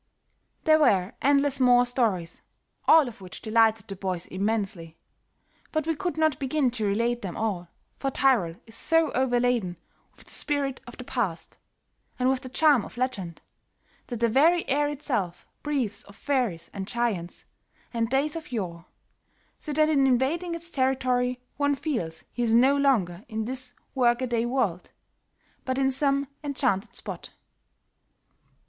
There were endless more stories, all of which delighted the boys immensely, but we could not begin to relate them all, for Tyrol is so overladen with the spirit of the past, and with the charm of legend, that the very air itself breathes of fairies and giants, and days of yore, so that in invading its territory one feels he is no longer in this work a day world, but in some enchanted spot.